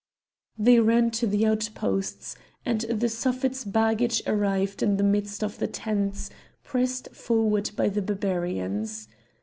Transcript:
They ran to the outposts, and the Suffet's baggage arrived in the midst of the tents, pressed forward by the Barbarians.